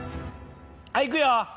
はいいくよ！